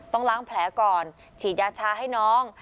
ต้องล้างแผลก่อนฉีดยาชาให้น้อง